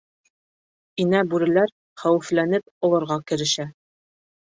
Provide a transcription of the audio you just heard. Инә бүреләр хәүефләнеп олорға керешә: